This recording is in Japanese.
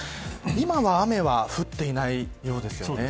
今は雨は降っていないようですね。